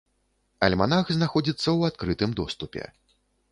Альманах знаходзіцца ў адкрытым доступе.